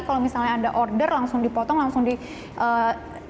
kalau misalnya anda order langsung dipotong langsung di